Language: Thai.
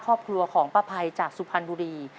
ครอบครัวของป้าภัยจากสุพรรณบุรี